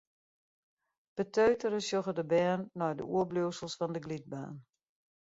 Beteutere sjogge de bern nei de oerbliuwsels fan de glydbaan.